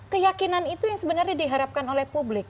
keyakinan itu yang sebenarnya diharapkan oleh publik